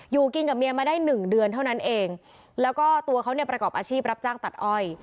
อยู่กินกับเมียมาได้หนึ่งเดือนเท่านั้นเองแล้วก็ตัวเขาเนี่ยประกอบอาชีพรับจ้างตัดอ้อย